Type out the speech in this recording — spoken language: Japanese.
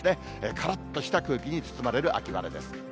からっとした空気に包まれる秋晴れです。